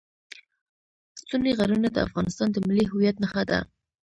ستوني غرونه د افغانستان د ملي هویت نښه ده.